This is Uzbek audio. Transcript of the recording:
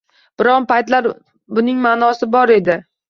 —Bir paytlar buning ma’nosi bor edi.